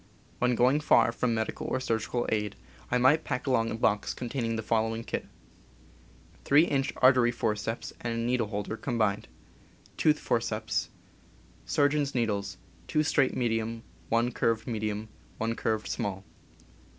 When going far from medical or surgical aid, I might pack along a box containing the following kit: 3 in. artery forceps and needle holder combined. Tooth forceps. Surgeon's needles: 2 straight medium, 1 curved medium, 1 curved small.